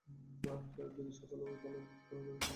যদি সকালেও ভালো অনুভব না কর, একজন ডাক্তারকে কল করতেই হবে।